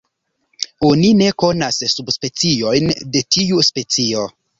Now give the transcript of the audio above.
Oni ne konas subspeciojn de tiu specio.